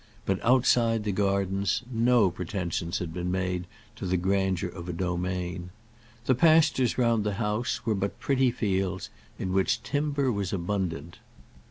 But outside the gardens no pretensions had been made to the grandeur of a domain. The pastures round the house were but pretty fields, in which timber was abundant.